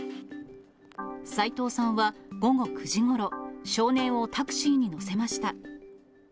斎藤さんは午後９時ごろ、少年をタクシーに乗せました。